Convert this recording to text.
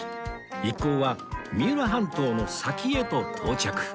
一行は三浦半島の先へと到着